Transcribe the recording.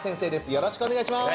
よろしくお願いします